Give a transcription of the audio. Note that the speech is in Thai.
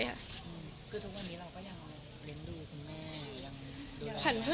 คือทุกวันนี้เราก็อย่างเรีย่งลูกคุณแม่